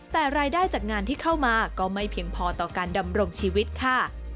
แต่รายได้จากงานที่เข้ามาก็ไม่เพียงพอต่อการดำรงชีวิตค่ะ